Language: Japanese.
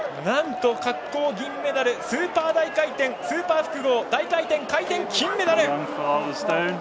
なんと滑降、銀メダルスーパー大回転スーパー複合、大回転、回転金メダル！